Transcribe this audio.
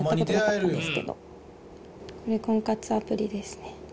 これ婚活アプリですね。